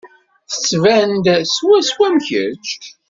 Tettban-d swaswa am kečč.